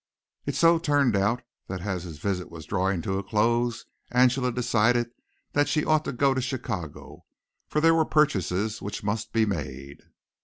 It so turned out that as his visit was drawing to a close Angela decided that she ought to go to Chicago, for there were purchases which must be made.